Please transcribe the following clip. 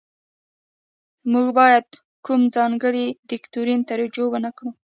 موږ باید کوم ځانګړي دوکتورین ته رجوع ونکړو.